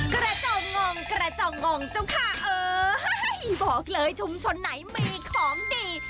กระจองงกระจองงเจ้าค่ะเอ้ยบอกเลยชุมชนไหนมีของดี